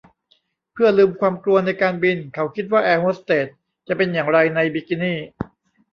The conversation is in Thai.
เพื่อลืมความกลัวในการบินเขาคิดว่าแอร์โฮสเตสจะเป็นอย่างไรในบิกินี่